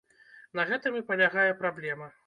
На гэтым і палягае праблема.